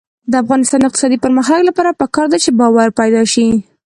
د افغانستان د اقتصادي پرمختګ لپاره پکار ده چې باور پیدا شي.